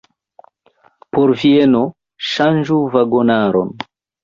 Por Vieno, ŝanĝu vagonaron!